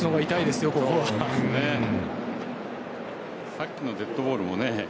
さっきのデッドボールもね